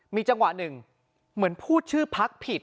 มีจังหวะหนึ่งเหมือนพูดชื่อพักผิด